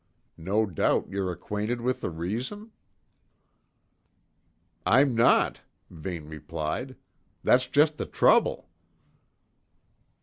No doubt, you're acquainted with the reason?" "I'm not," Vane replied. "That's just the trouble."